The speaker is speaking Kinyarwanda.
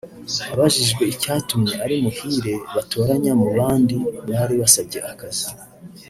Abajijwe icyatumye ari Muhire batoranya mu bandi bari basabye akazi